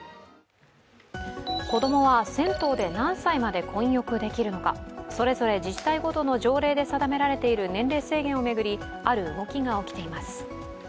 子供は銭湯で何歳まで混浴できるのかそれぞれ自治体ごとの条例で定められている年齢制限を巡りある動きが起きています。